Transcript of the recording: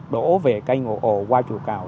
đổ về cây ngộ ồ qua chùa cầu